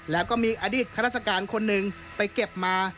แล้วก็มีอดีตข้าราชการคนหนึ่งไปเก็บมา